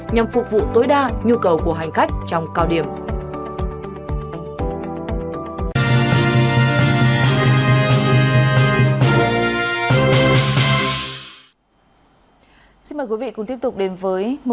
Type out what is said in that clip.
nhằm phục vụ tối đa nhu cầu của hành khách trong cao điểm